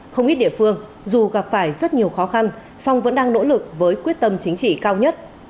không ít địa phương dù gặp phải rất nhiều khó khăn song vẫn đang nỗ lực với quyết tâm chính trị cao nhất